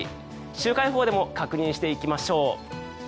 週間予報でも確認していきましょう。